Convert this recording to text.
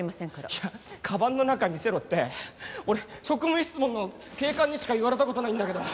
いやカバンの中見せろって俺職務質問の警官にしか言われた事ないんだけど。